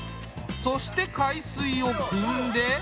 そして海水をくんで。